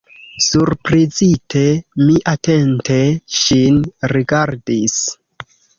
Surprizite, mi atente ŝin rigardis.